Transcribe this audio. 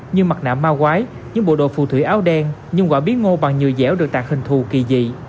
như mặt nạ ma quái những bộ đồ phù thủy áo đen những quả biến ngô bằng nhựa dẻo được tặng hình thù kỳ dị